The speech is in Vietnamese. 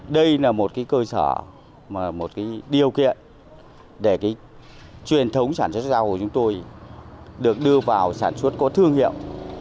đây là một cơ sở một điều kiện để cái truyền thống sản xuất rau của chúng tôi được đưa vào sản xuất có thương hiệu